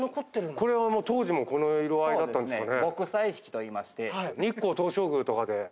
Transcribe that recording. これは当時もこの色合いだったんですかね。